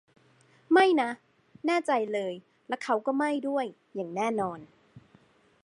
ไม่นะ แน่ใจเลย และเขาก็ไม่ด้วย อย่างแน่นอน